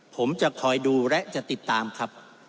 ผมจะคอยดูและจะติดตามครับ